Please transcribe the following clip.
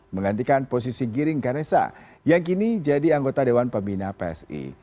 menggantikan posisi giring ganesa yang kini jadi anggota dewan pembina psi